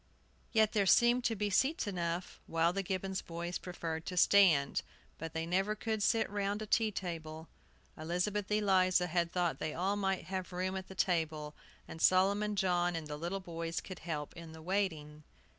Yet there seemed to be seats enough while the Gibbons boys preferred to stand. But they never could sit round a tea table. Elizabeth Eliza had thought they all might have room at the table, and Solomon John and the little boys could help in the waiting.